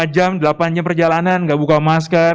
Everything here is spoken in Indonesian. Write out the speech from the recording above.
lima jam delapan jam perjalanan gak buka masker